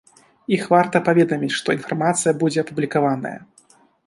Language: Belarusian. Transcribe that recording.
Іх варта паведаміць, што інфармацыя будзе апублікаваная.